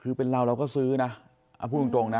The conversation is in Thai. คือเป็นเราเราก็ซื้อนะพูดตรงนะ